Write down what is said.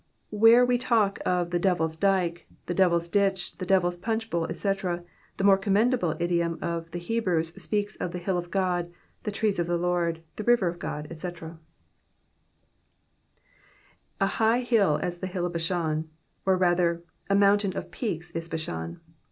Where we talk of the DeviVs Dyke, the DeviPs Ditch, the Devirs Punch Bowl, etc., the more commendable idiom of the Hebrews speaks of the hill of God, the trees of the Lord, the river of God, etc. d» high hill as the hill of BatJian,^^ or rather, '* a mount of peaks is Bashan."